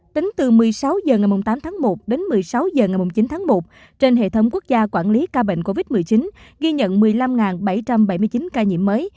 tính từ một mươi sáu h ngày tám tháng một đến một mươi sáu h ngày chín tháng một trên hệ thống quốc gia quản lý ca bệnh covid một mươi chín ghi nhận một mươi năm bảy trăm bảy mươi chín ca nhiễm mới